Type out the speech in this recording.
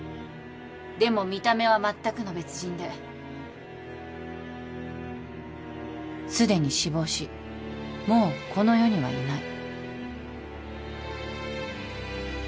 でも見た目はまったくの別人ですでに死亡しもうこの世にはいない。